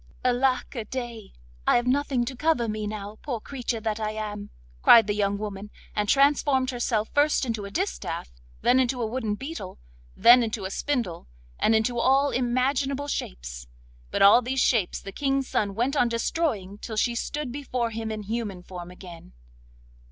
'Alack a day! I have nothing to cover me now, poor creature that I am!' cried the young woman, and transformed herself first into a distaff, then into a wooden beetle, then into a spindle, and into all imaginable shapes. But all these shapes the King's son went on destroying till she stood before him in human form again.